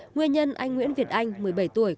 nguyên nhân anh nguyễn việt anh một mươi bảy tuổi